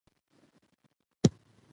هلکانو په ځواب کې نورګل کاکا ته ووېل: